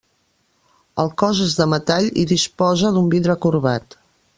El cos és de metall i disposa d'un vidre corbat.